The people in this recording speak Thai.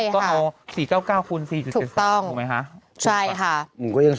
ก็เอา๔๙๙คูณ๔๗๒ถูกไหมคะใช่ค่ะ